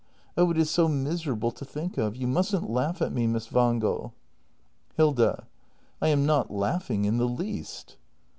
Oh, it is so miserable to think of. You mustn't laugh at me, Miss Wangel. Hilda. I am not laughing in the least.